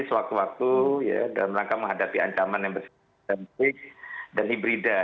sewaktu waktu dalam rangka menghadapi ancaman yang bersifat dan hibrida